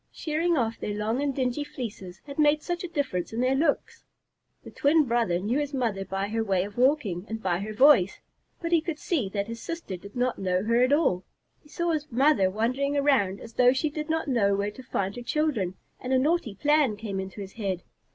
Shearing off their long and dingy fleeces had made such a difference in their looks! The twin brother knew his mother by her way of walking and by her voice, but he could see that his sister did not know her at all. He saw his mother wandering around as though she did not know where to find her children, and a naughty plan came into his head.